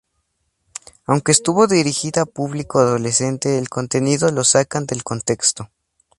Aunque estuvo dirigida a público adolescente el contenido lo sacan del contexto.